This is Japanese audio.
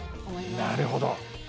なるほど。